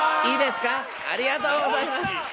ありがとうございます！